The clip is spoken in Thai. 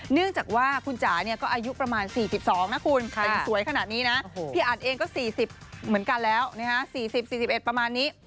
เนื่องจากว่าคุณจากเนี่ยก็อายุประมาณสี่สิบสองนะคุณค่ะสวยขนาดนี้น่ะพี่อันเองก็สี่สิบเหมือนกันแล้วนะฮะสี่สิบสี่สิบเอ็ดประมาณนี้